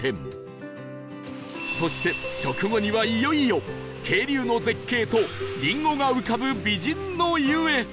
そして食後にはいよいよ渓流の絶景とりんごが浮かぶ美人の湯へ